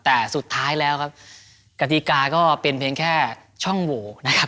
แต่สุดท้ายแล้วครับกติกาก็เป็นเพียงแค่ช่องโหวนะครับ